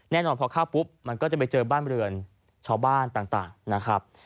แน่นอนพอเข้าปุ๊บมันก็จะไปเจอบ้านเรือนชาวบ้านต่างนะครับ